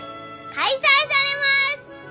開催されます！